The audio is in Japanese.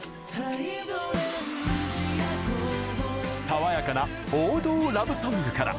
爽やかな王道ラブソングから。